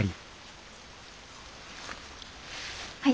はい。